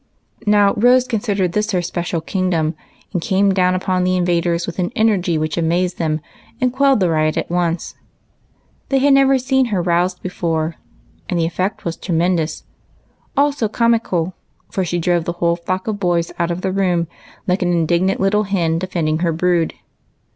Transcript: Now Rose considered this her special kingdom, and came down upon the invaders with an energy which amazed them and quelled the riot at once. They had never seen her roused before, and the effect was tre mendous ; also comical, for she drove the whole flock 132 EIGHT COUSINS, ''THE OTHER FELLOW Sr 1 33 of boys out of the room like an indignant little hen defending her brood.